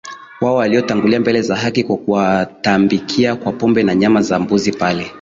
wao waliotangulia mbele za haki kwa kuwatambikia kwa pombe na nyama za mbuzi pale